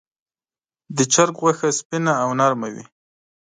د چرګ غوښه سپینه او نرمه وي.